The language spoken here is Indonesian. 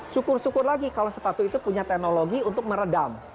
syukur syukur lagi kalau sepatu itu punya teknologi untuk meredam